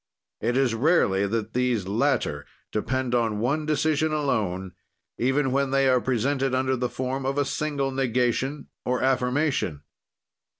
"It is rarely that these latter depend on one decision alone, even when they are presented under the form of a single negation or affirmation.